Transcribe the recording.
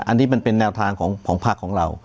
อันนี้มันเป็นแนวทางของภาคของเรา